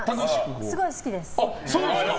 すごい好きです。